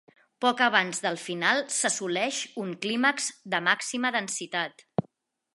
Poc abans del final s'assoleix un clímax de màxima densitat.